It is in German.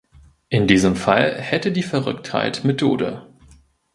In diesem Fall hätte die Verrücktheit Methode.